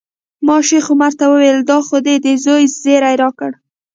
ما شیخ عمر ته وویل دا خو دې د زوی زیری راکړ.